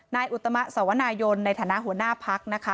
อุตมะสวนายนในฐานะหัวหน้าพักนะคะ